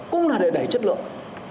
cũng là để đẩy chất lượng